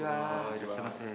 いらっしゃいませ。